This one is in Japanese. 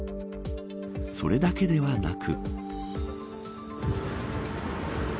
それだけではなく。